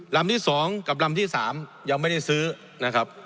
ลำที่๒กับลำที่๓ยังไม่ได้ซื้อนะครับ